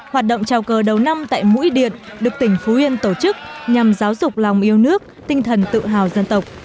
hoạt động chào cờ đầu năm tại mũi điện được tỉnh phú yên tổ chức nhằm giáo dục lòng yêu nước tinh thần tự hào dân tộc